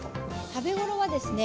食べごろはですね